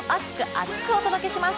厚く！お届け！します。